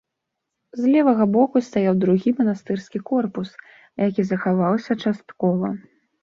З левага боку стаяў другі манастырскі корпус, які захаваўся часткова.